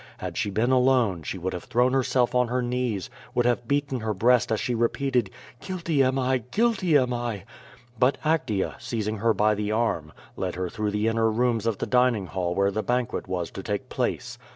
Had she been alone she would have thrown herself on her knees, would have beaten her breast as she repeated, ^^Ouilty am I; guilty am 1.^' But Actea, seizing her by the arm, led her through the inner rooms of the dining hall where the banquet was to take place.